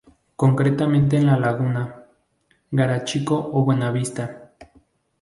Concretamente en La Laguna, Garachico o Buenavista.